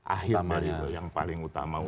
akhir dari itu yang paling utama